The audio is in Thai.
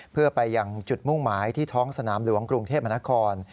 เพื่อไปยังจุดมุ่งหมายที่ท้องสนามหลวงกรุงเทพมนาคม